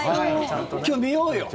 今日、見ようよ。